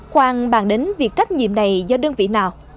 khoan bàn đến việc trách nhiệm này do đơn vị nào